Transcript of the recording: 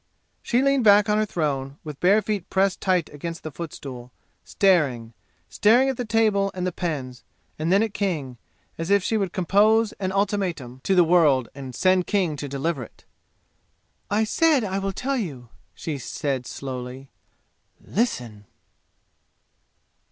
She leaned back on her throne, with bare feet pressed tight against the footstool, staring, staring at the table and the pens, and then at King, as if she would compose an ultimatum to the world and send King to deliver it. "I said I will tell you," she sad slowly. "Listen!"